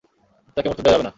তাকে মরতে দেয়া যাবে না।